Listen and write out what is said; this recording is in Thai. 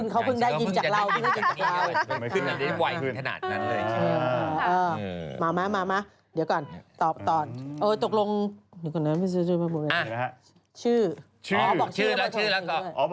เขาเพิ่งได้ยินจากเรา